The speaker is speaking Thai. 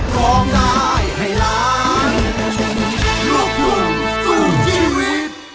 โปรดติดตามตอนต่อไป